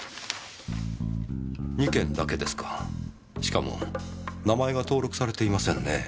２件だけですかしかも名前が登録されていませんね。